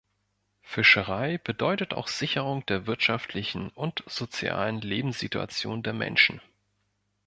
Fischerei bedeutet auch Sicherung der wirtschaftlichen und sozialen Lebenssituation der Menschen.